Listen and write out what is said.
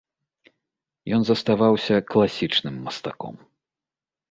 Ён заставаўся класічным мастаком.